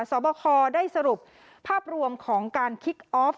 สอบคอได้สรุปภาพรวมของการคิกออฟ